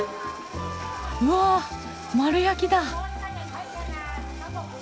うわ丸焼きだ。